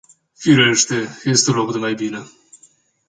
Firește, este loc de mai bine.